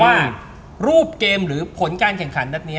ว่ารูปเกมหรือผลการแข่งขันนัดนี้